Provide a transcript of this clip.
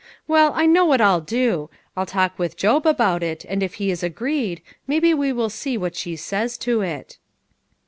Well, I know what I'll do. I'll talk with Job about it, and if he is agreed, maybe we will see what she says to it."